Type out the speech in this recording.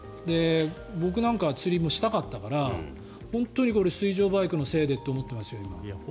僕なんかは釣りもしたかったから本当にこれ水上バイクのせいでと思ってますよ。